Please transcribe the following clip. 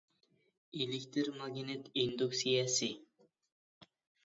ئېلېكتىر ماگنىت ئىندۇكسىيەسى